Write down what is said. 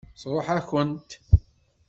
Tṛuḥ-akent.